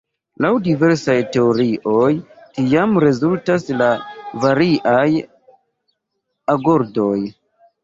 Laŭ diversaj teorioj tiam rezultas la variaj agordoj.